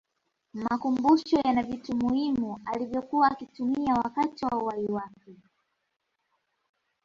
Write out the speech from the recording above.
makumbusho yana vitu muhimu alivyokuwa akitumia wakati wa uhai wake